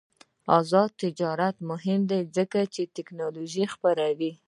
آزاد تجارت مهم دی ځکه چې تکنالوژي خپروي.